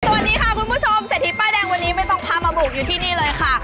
สวัสดีค่ะคุณผู้ชมเศรษฐีป้ายแดงวันนี้ไม่ต้องพามาบุกอยู่ที่นี่เลยค่ะ